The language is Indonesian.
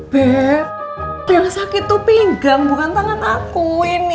beb yang sakit tuh pinggang bukan tangan aku ini